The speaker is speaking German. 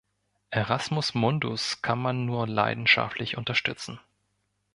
Erasmus Mundus kann man nur leidenschaftlich unterstützen.